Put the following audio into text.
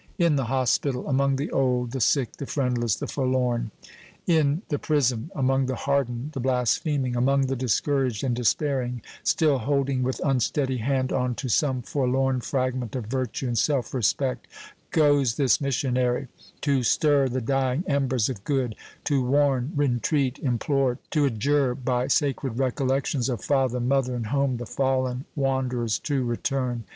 In the hospital, among the old, the sick, the friendless, the forlorn in the prison, among the hardened, the blaspheming among the discouraged and despairing, still holding with unsteady hand on to some forlorn fragment of virtue and self respect, goes this missionary to stir the dying embers of good, to warn, entreat, implore, to adjure by sacred recollections of father, mother, and home, the fallen wanderers to return.